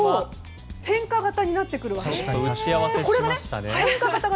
変化型になってくるわけです。